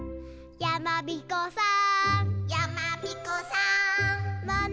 「やまびこさーん」